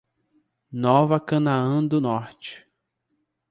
Nova Canaã do Norte